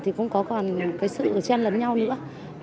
thì cũng có còn sự chen lấn nhau nữa